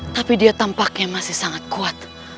tapi dia tampaknya masih sangat kuat